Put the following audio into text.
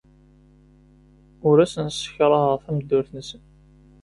Ur asen-ssekṛaheɣ tameddurt-nsen.